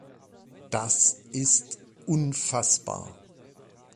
Das ist unfassbar!